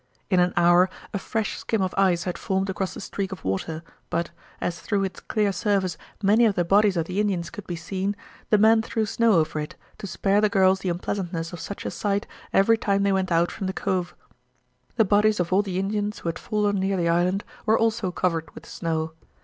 In an hour a fresh skim of ice had formed across the streak of water, but, as through its clear surface many of the bodies of the Indians could be seen, the men threw snow over it, to spare the girls the unpleasantness of such a sight every time they went out from the cove. The bodies of all the Indians who had fallen near the island were also covered with snow.